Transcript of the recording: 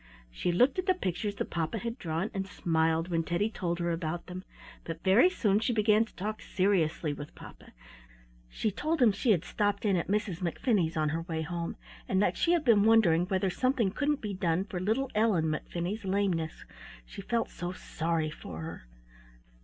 She looked at the pictures that papa had drawn, and smiled when Teddy told her about them; but very soon she began to talk seriously with papa. She told him she had stopped in at Mrs. McFinney's on her way home, and that she had been wondering whether something couldn't be done for little Ellen McFinney's lameness. She felt so sorry for her.